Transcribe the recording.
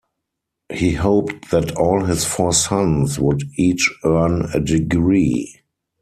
He hoped that all his four sons would each earn a degree.